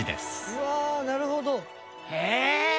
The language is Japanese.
うわあなるほど！へえ！